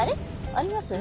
あります？